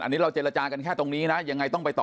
อันนี้เราเจรจากันแค่ตรงนี้นะยังไงต้องไปต่อ